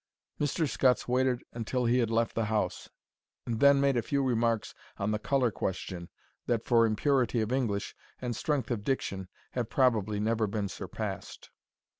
Mr. Scutts waited until he had left the house and then made a few remarks on the colour question that for impurity of English and strength of diction have probably never been surpassed.